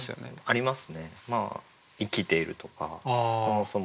ありますね。